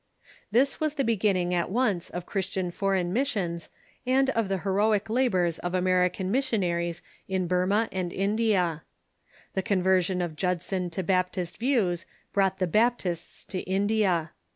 This was the beginning at once of American foreign missions and of the heroic labors of American missionaries in Burma and India. The conversion of Judson to Baptist views brought the Baptists to India.